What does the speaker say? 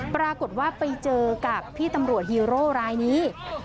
ปรากฏว่าไปเจอกับพี่ตำรวจฮีโร่รายนี้